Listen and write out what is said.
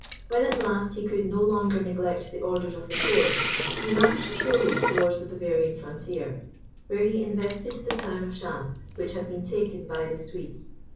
When at last he could no longer neglect the orders of the Court, he marched slowly toward the Bavarian frontier, where he invested the town of Cham, which had been taken by the Swedes.